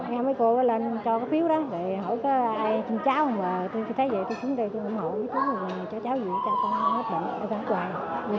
nghe mấy cô lên cho cái phiếu đó hỏi có ai chân cháu không tôi thấy vậy tôi xuống đây tôi ủng hộ với cháu cho cháu dịu cho con hết bệnh cho cháu hoàn